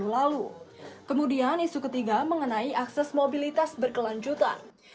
dua ribu dua puluh lalu kemudian isu ketiga mengenai akses mobilitas berkelanjutan